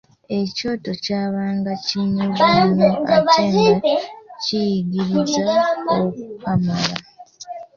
Ekyoto kyabanga kinyuvu nnyo ate nga kiyigiriza okukamala !